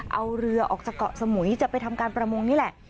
เอาเรือออกจากเกาะสมุยจะไปทำการประมงนี่แหละ